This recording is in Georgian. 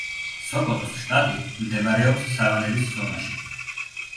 სოკოტოს შტატი მდებარეობს სავანების ზონაში.